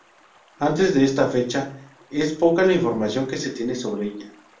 Antes de esta fecha, es poca la información que se tiene sobre ella.